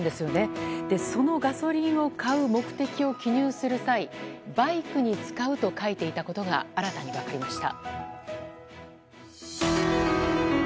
そのガソリンを買う目的を記入する際バイクに使うと書いていたことが新たに分かりました。